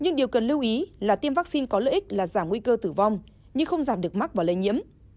nhưng điều cần lưu ý là tiêm vaccine có lợi ích là giảm nguy cơ tử vong nhưng không giảm được mắc và lây nhiễm